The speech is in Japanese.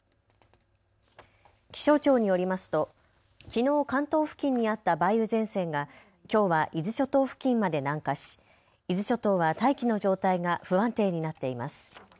気象庁によりますときのう関東付近にあった梅雨前線がきょうは伊豆諸島付近まで南下し伊豆諸島は大気の状態が不安定になっています。